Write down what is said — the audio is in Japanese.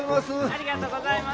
ありがとうございます。